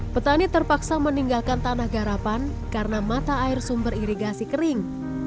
petani terpaksa meninggalkan tanah garapan karena mata air sumber irigasi kering